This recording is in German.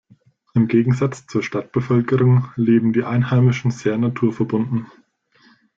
Im Gegensatz zur Stadtbevölkerung leben die Einheimischen sehr naturverbunden.